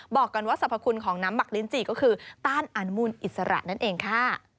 บอกกันว่าสรรพคุณของน้ำหมักลิ้นจี่ก็คือต้านอนุมูลอิสระนั่นเองค่ะ